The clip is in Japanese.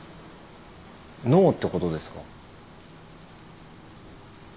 脳ってことですか？